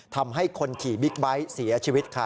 ทำให้คนขี่บิ๊กไบท์เสียชีวิตค่ะ